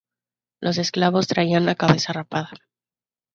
Los esclavos traían la cabeza rapada.